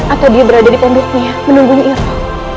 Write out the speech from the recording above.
atau dia berada di pondoknya menunggu itu